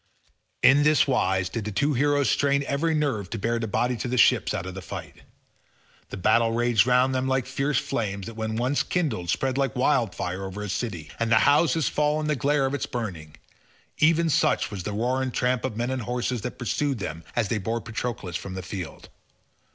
In this wise did the two heroes strain every nerve to bear the body to the ships out of the fight. The battle raged round them like fierce flames that when once kindled spread like wildfire over a city, and the houses fall in the glare of its burning—even such was the roar and tramp of men and horses that pursued them as they bore Patroclus from the field.